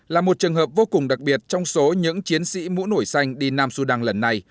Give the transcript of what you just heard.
là một trường hợp vô cùng đặc biệt trong số những chiến sĩ mũ nổi xanh đi nam sudan lần này